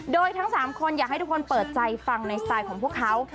โดยทั้ง๓คนอยากให้ทุกคนเปิดใจฟังในสไตล์ของพวกเขา